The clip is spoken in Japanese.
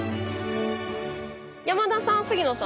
山田さん杉野さん